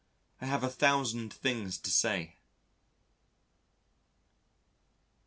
I have a thousand things to say.